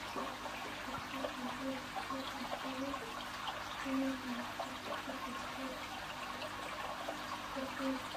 সবকিছু ঠিকঠাক হলেও শুভর সঙ্গে মানানসই নায়িকা খুঁজে পেতে বেগ পেতে হচ্ছে।